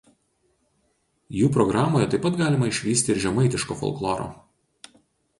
Jų programoje taip pat galima išvysti ir žemaitiško folkloro.